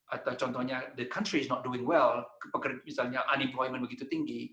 atau contohnya negara itu tidak berhasil misalnya keguguran begitu tinggi